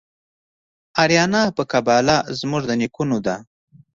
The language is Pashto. آریانا په قباله زموږ د نیکو ده